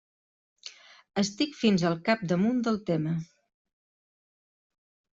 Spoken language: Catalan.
Estic fins al capdamunt del tema.